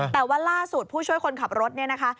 แต่ว่าล่าสุดผู้ช่วยคนขับรถเนี่ยนะคะ